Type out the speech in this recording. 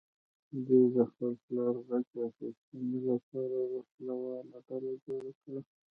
دوی د خپل پلار غچ اخیستنې لپاره وسله واله ډله جوړه کړه.